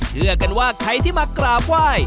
เชื่อกันว่าใครที่มากราบไหว้